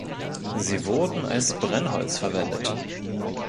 Sie wurden als Brennholz verwendet.